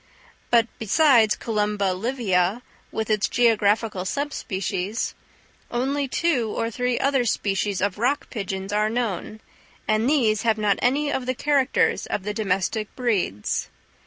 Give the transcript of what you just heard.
But besides C. livia, with its geographical sub species, only two or three other species of rock pigeons are known; and these have not any of the characters of the domestic breeds.